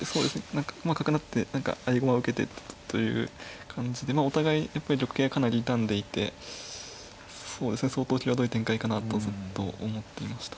何かまあ角成って合駒受けてという感じでお互いやっぱり玉形かなり痛んでいてそうですね相当際どい展開かなとずっと思っていました。